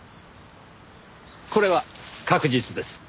これは確実です。